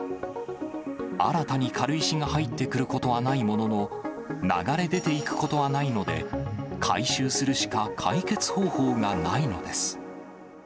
新たに軽石が入ってくることはないものの、流れ出ていくことはないので、回収するしか解決方法がないのです。